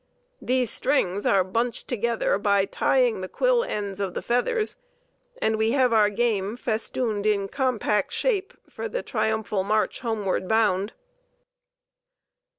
These strings are bunched together by tying the quill ends of the feathers, and we have our game festooned in compact shape for the triumphal march homeward bound."